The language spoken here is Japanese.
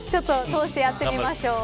通してやってみましょう。